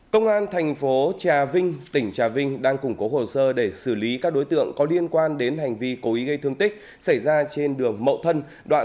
công an thành phố trà vinh tỉnh trà vinh đang củng cố hồ sơ để xử lý các đối tượng có liên quan đến hành vi cố ý gây thương tích xảy ra trên đường mậu thân